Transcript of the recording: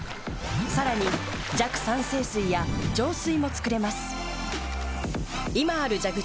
さらに弱酸性水や浄水も作れます。